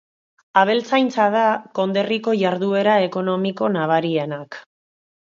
Abeltzaintza da konderriko jarduera ekonomiko nabarienak.